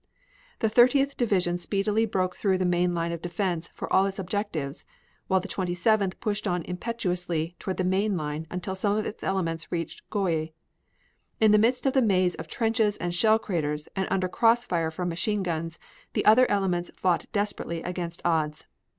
The Thirtieth Division speedily broke through the main line of defense for all its objectives, while the Twenty seventh pushed on impetuously through the main line until some of its elements reached Gouy. In the midst of the maze of trenches and shell craters and under cross fire from machine guns the other elements fought desperately against odds.